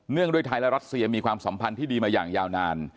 งด้วยไทยและรัสเซียมีความสัมพันธ์ที่ดีมาอย่างยาวนาน